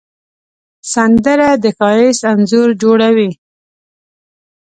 سندره د ښایست انځور جوړوي